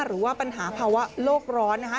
หรือว่าปัญหาภาวะโลกร้อนนะคะ